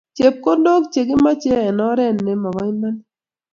Chepkondok che kimoche eng oret nemobo imanit